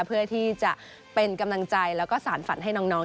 เพื่อที่จะเป็นกำลังใจแล้วก็สารฝันให้น้อง